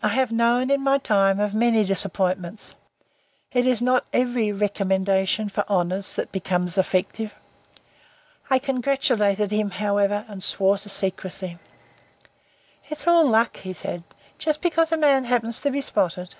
I have known, in my time, of many disappointments. It is not every recommendation for honours that becomes effective. I congratulated him, however, and swore to secrecy. "It's all luck," said he. "Just because a man happens to be spotted.